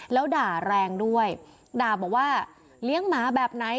แล้วด่าแรงด้วยด่าบอกว่าเลี้ยงหมาแบบไหน